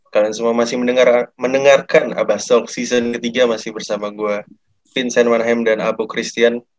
kalian semua masih mendengarkan abah soft season ketiga masih bersama gue vincent wanhem dan abu christian